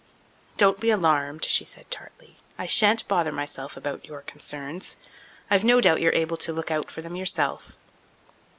"Don't be alarmed," she said tartly. "I shan't bother myself about your concerns. I've no doubt you're able to look out for them yourself."